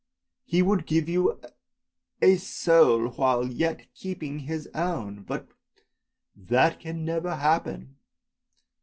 He would give you a soul while yet keeping his own. But that can never happen!